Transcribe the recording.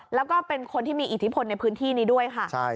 แล้วก็เป็นคนที่มีอิทธิพลในพื้นที่นี้ด้วยค่ะ